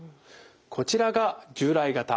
こちらが従来型。